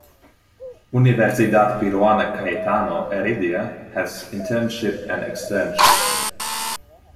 Universidad Peruana Cayetano Heredia has internship and externship.